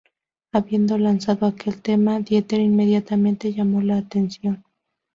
Habiendo lanzado aquel tema, Dieter inmediatamente llamó la atención.